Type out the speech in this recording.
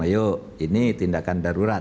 ayo ini tindakan darurat